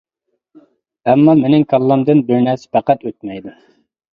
ئەمما مېنىڭ كاللامدىن بىر نەرسە پەقەت ئۆتمەيدۇ.